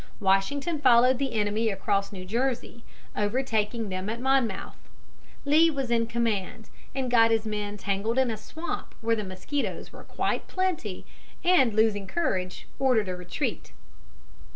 Washington followed the enemy across New Jersey, overtaking them at Monmouth. Lee was in command, and got his men tangled in a swamp where the mosquitoes were quite plenty, and, losing courage, ordered a retreat.